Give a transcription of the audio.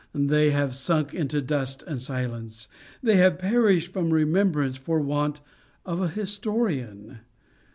They have sunk into dust and silence they have perished from remembrance for want of a historian!